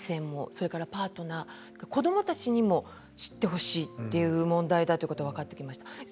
それからパートナー、子どもたちにも知ってほしいという問題だということが分かってきました。